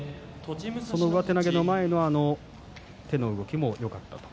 その上手投げの前の手の動きもよかったと。